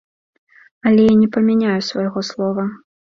Але я не памяняю свайго слова.